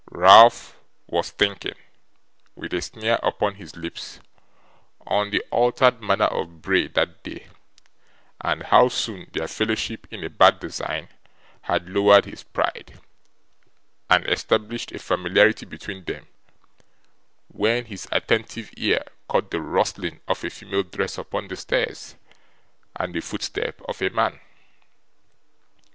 Ralph was thinking, with a sneer upon his lips, on the altered manner of Bray that day, and how soon their fellowship in a bad design had lowered his pride and established a familiarity between them, when his attentive ear caught the rustling of a female dress upon the stairs, and the footstep of a man.